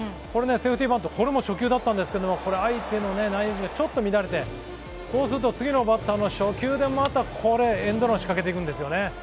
セーフティーバント、これも初球だったんですけれども、これ相手のナインがちょっと乱れて、そうすると次のバッターの初球でこれまたエンドランを仕掛けていくんですよね。